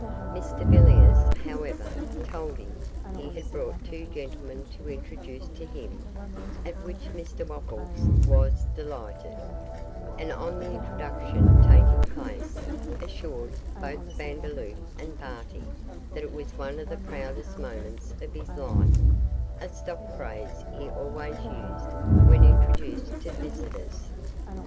Mr Villiers, however, told him he had brought two gentlemen to introduce to him, at which Mr Wopples was delighted; and on the introduction taking place, assured both Vandeloup and Barty that it was one of the proudest moments of his life a stock phrase he always used when introduced to visitors.